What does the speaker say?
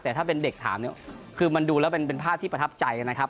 แต่ถ้าเป็นเด็กถามเนี่ยคือมันดูแล้วเป็นภาพที่ประทับใจนะครับ